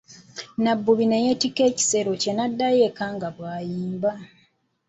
Nabbubi ne yeetikka ekisero kye n'addayo eka nga bw'ayimba.